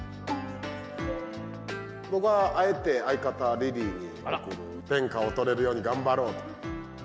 僕はあえて相方、リリーに送る、天下を取れるように頑張ろう。